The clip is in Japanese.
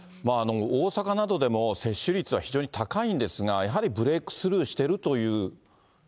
大阪などでも接種率は非常に高いんですが、やはりブレークスルーしているという。